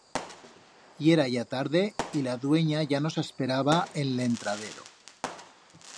Yera ya tarde y la duenya ya nos asperaba en l'entradero.